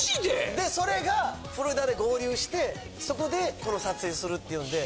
でそれがフロリダで合流してそこでこの撮影するっていうんで。